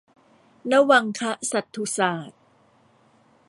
นวังคสัตถุศาสน์